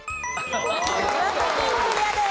岩手県クリアです。